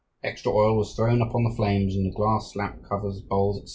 Extra oil was thrown upon the flames and the glass lamp covers, bowls, etc.